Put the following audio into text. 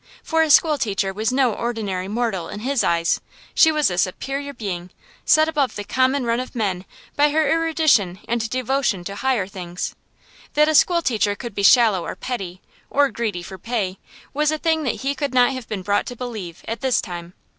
For a school teacher was no ordinary mortal in his eyes; she was a superior being, set above the common run of men by her erudition and devotion to higher things. That a school teacher could be shallow or petty, or greedy for pay, was a thing that he could not have been brought to believe, at this time.